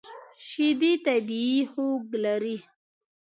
شیدې طبیعي خوږ لري.